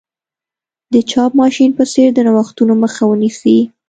د چاپ ماشین په څېر د نوښتونو مخه ونیسي.